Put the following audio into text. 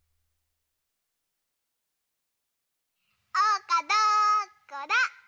おうかどこだ？